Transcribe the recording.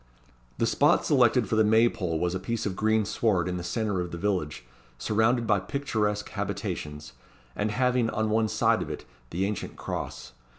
The spot selected for the May pole was a piece of green sward in the centre of the village, surrounded by picturesque habitations, and having, on one side of it, the ancient Cross.